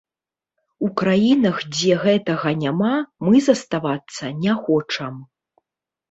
У краінах, дзе гэтага няма, мы заставацца не хочам.